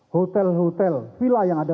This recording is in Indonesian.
hotel hotel villa yang ada